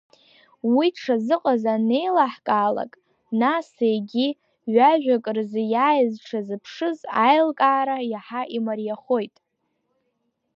Уи дшазыҟаз анеилаҳкаалак, нас егьи, ҩажәиак рзы иааиз дшазыԥшыз аилкаара иаҳа имариахоит.